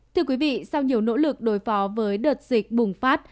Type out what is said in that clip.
thưa quý vị sau nhiều nỗ lực đối phó với đợt dịch bùng phát